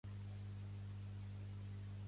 Pertany al moviment independentista el Bianco?